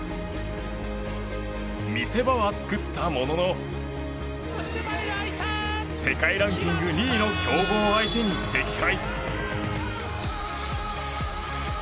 見せ場は作ったものの世界ランキング２位の強豪相手に惜敗。